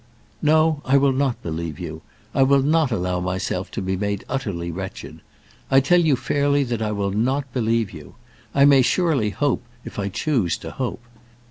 "No; I will not believe you. I will not allow myself to be made utterly wretched. I tell you fairly that I will not believe you. I may surely hope if I choose to hope.